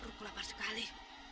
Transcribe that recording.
ruku lapar sekali